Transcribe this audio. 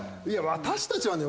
私たちはね